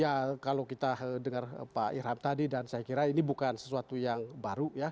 ya kalau kita dengar pak irham tadi dan saya kira ini bukan sesuatu yang baru ya